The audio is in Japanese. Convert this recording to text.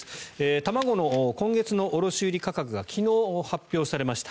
卵の今月の卸売価格が昨日発表されました。